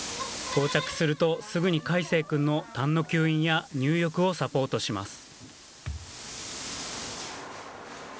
到着すると、すぐに海成くんのたんの吸引や入浴をサポートします。